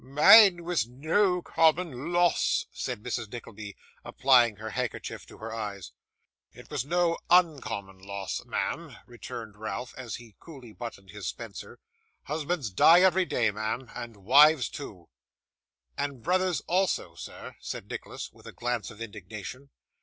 'Mine was no common loss!' said Mrs. Nickleby, applying her handkerchief to her eyes. 'It was no UNcommon loss, ma'am,' returned Ralph, as he coolly unbuttoned his spencer. 'Husbands die every day, ma'am, and wives too.' 'And brothers also, sir,' said Nicholas, with a glance of indignation.